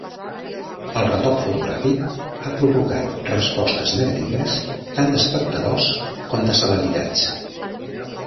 El retoc fotogràfic ha provocat respostes negatives tant d'espectadors com de celebritats.